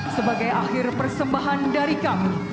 sebagai akhir persembahan dari kami